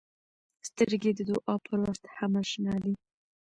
سترګې د دعا پر وخت هم اشنا دي